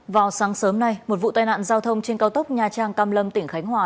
vào sáng sớm nay một vụ tai nạn giao thông trên cao tốc nha trang cam lâm tỉnh khánh hòa